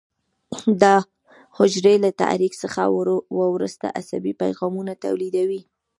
دا حجرې له تحریک څخه وروسته عصبي پیغامونه تولیدوي.